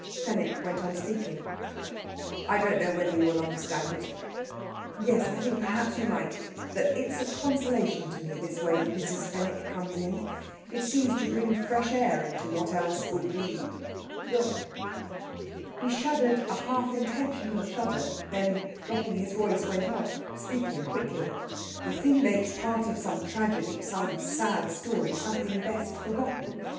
Fenwick went on speaking: "I don't know whether you will understand it yes! I think, perhaps, you might that it's a consolation to me this way Mrs. Fenwick comes in. It seems to bring fresh air into what else would be ugh!" He shuddered a half intentional shudder; then, dropping his voice, went on, speaking quickly: "The thing makes part of some tragedy some sad story something best forgotten!